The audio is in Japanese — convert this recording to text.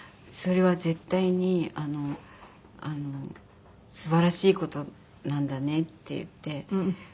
それは絶対にあの素晴らしい事なんだねって言って。